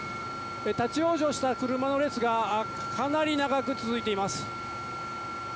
立ち往生した車の列がかなり長く続いています。